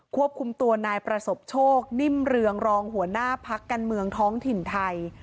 ควบคุมตัวนายประสบโชคนิ่มเรืองรองหัวหน้าพักการเมืองท้องถิ่นไทย